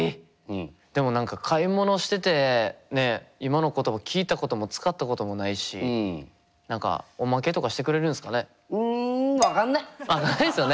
でも何か買い物しててねっ今の言葉聞いたことも使ったこともないし何か分かんないですよね。